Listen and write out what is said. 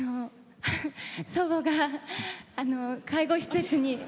祖母が介護施設に。